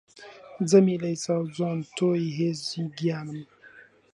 جەمیلەی چاو جوان تۆی هێزی گیانم